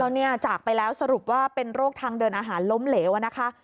แล้วเนี่ยจากไปแล้วสรุปว่าเป็นโรคทางเดินอาหารล้มเหลวนะคะ